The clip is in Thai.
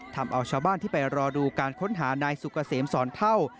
ทำเอาชาวบ้านที่ไปรอดูการค้นหานายสุกเกษมสอนเท่า